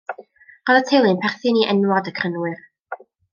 Roedd y teulu yn perthyn i enwad y Crynwyr.